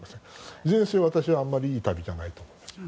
いずれにせよ私はあまりいいタイミングじゃないと思います。